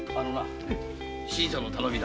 新さんの頼みだ。